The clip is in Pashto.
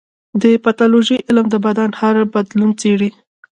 د پیتالوژي علم د بدن هر بدلون څېړي.